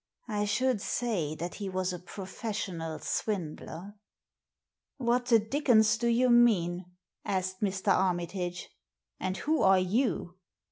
I should say that he was a professional swindler !" "What the dickens do you mean?" asked Mr. Armitage. "And who are you?"